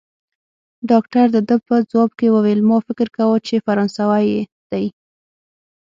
ډاکټر د ده په ځواب کې وویل: ما فکر کاوه، چي فرانسوی دی.